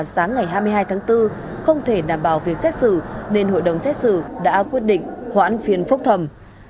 sáng ngày hai mươi hai tháng bốn không thể đảm bảo việc xét xử nên hội đồng xét xử đã quyết định hoãn phiên phúc thẩm